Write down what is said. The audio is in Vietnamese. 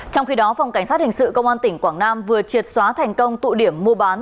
trong khi đó phòng cảnh sát hình sự công an tỉnh quảng nam vừa triệt xóa thành công tụ điểm mua bán